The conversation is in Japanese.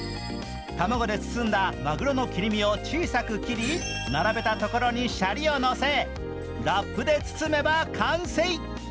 卵で包んだまぐろの切り身を小さく切り、並べたところにシャリをのせラップで包めば完成。